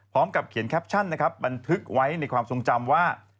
พร้อมกับเขียนแคปชั่นนะครับบันทึกไว้ในความทรงจำว่า